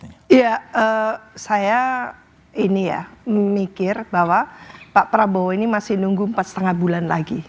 iya saya ini ya memikir bahwa pak prabowo ini masih nunggu empat lima bulan lagi